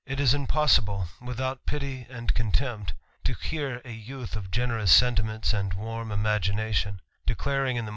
is impossible, withoutpii^ And. CQJltempt,. to.hfiaui youth of generous sentiments and warm imaginatio: declaring in the.